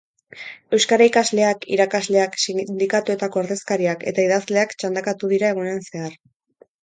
Euskara ikasleak, irakasleak, sindikatuetako ordezkariak eta idazleak txandakatu dira egunean zehar.